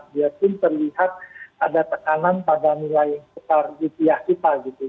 dia pun terlihat ada tekanan pada nilai pasar di pihak kita gitu